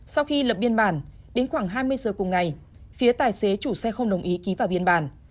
sau khi lập biên bản đến khoảng hai mươi giờ cùng ngày phía tài xế chủ xe không đồng ý ký vào biên bản